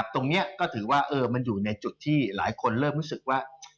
ตรงนี้ก็ถือว่ามันอยู่ในจุดที่หลายคนเริ่มรู้สึกว่า